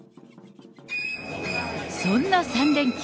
そんな３連休。